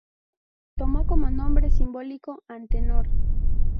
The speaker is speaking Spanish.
Tomó como nombre simbólico Antenor.